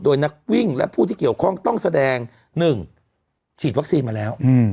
โดยนักวิ่งและผู้ที่เกี่ยวข้องต้องแสดง๑ฉีดวัคซีนมาแล้ว